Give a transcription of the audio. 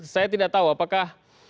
saya tidak tahu apakah